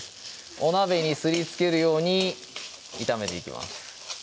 お鍋にすりつけるように炒めていきます